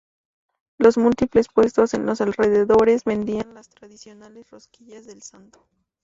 Los múltiples puestos en los alrededores vendían las tradicionales rosquillas del Santo.